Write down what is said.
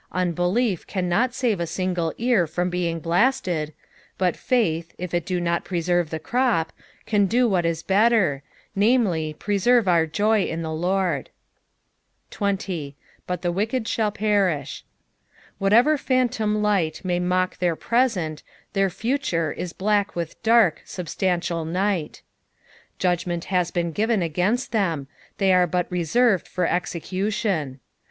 Unbelief cannot save a Bingle ear from being blasted, but faith, if it do not preserve the crop, can do what is better, namely, preserve our joy in the Lord. 20. " Jiut t/is leieied Aall periiJi." Whatever phantom light may mock their present, their future is black with dark, substantial night. Judgment has becD given against them, they are but reserved for execution.